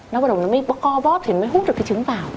nó bắt đầu nó mới co vót thì mới hút được cái trứng vào